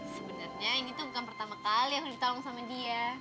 sebenarnya ini tuh bukan pertama kali yang ditolong sama dia